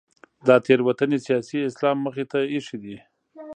دا تېروتنې سیاسي اسلام مخې ته اېښې دي.